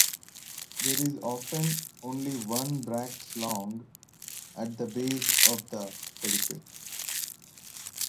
There is often only one bracts long at the base of the pedicel.